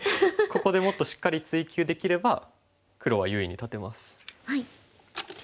ここでもっとしっかり追及できれば黒は優位に立てます。